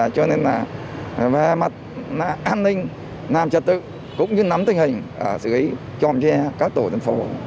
cho nên là về mặt an ninh nằm trật tự cũng như nắm tình hình sử dụng tròm che các tổ dân phố